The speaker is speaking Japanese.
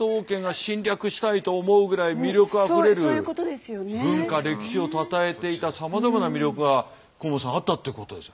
侵略したいと思うぐらい魅力あふれる文化歴史をたたえていたさまざまな魅力が甲本さんあったってことです。